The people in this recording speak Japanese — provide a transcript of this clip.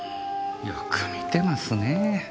よく見てますねぇ。